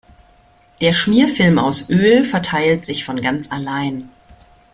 Der Schmierfilm aus Öl verteilt sich von ganz allein.